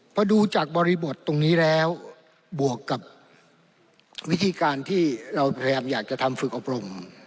พอดูจากบริบทตรงนี้แล้วบวกกับวิธีการที่เราพยายามอยากจะทำฝึกอบรม